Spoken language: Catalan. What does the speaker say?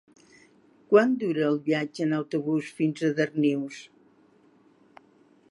Quant dura el viatge en autobús fins a Darnius?